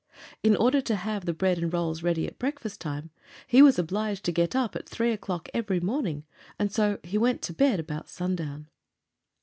In order to have the bread and rolls ready at breakfast time he was obliged to get up at three o'clock every morning, and so he went to bed about sundown.